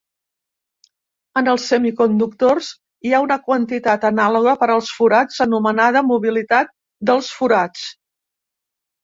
En els semiconductors, hi ha una quantitat anàloga per als forats, anomenada mobilitat dels forats.